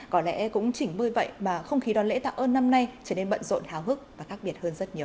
có lẽ cũng chỉnh vui vậy mà không khí đón lễ tạ ơn năm nay trở nên bận rộn hào hức và khác biệt hơn rất nhiều